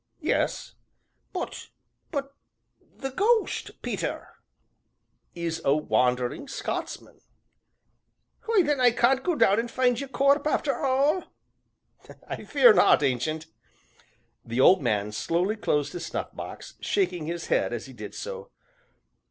"Yes." "But but the ghost, Peter?" "Is a wandering Scotsman." "Why then I can't go down and find ye corp' arter all?" "I fear not, Ancient." The old man slowly closed his snuff box, shaking his head as he did so.